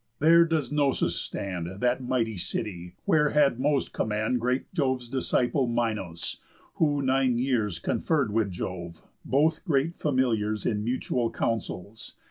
There doth Cnossus stand, That mighty city, where had most command Great Jove's disciple, Minos, who nine years Conferr'd with Jove, both great familiars In mutual counsels.